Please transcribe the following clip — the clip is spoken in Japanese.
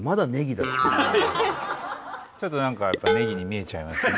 ちょっと何かネギに見えちゃいますね。